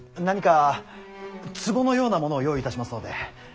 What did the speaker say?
何か壺のようなものを用意いたしますので。